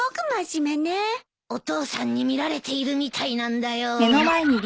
お父さんに見られているみたいなんだよ。